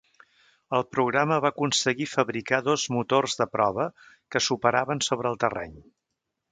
El programa va aconseguir fabricar dos motors de prova, que s'operaven sobre el terreny.